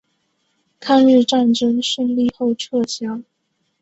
抗日战争胜利后撤销。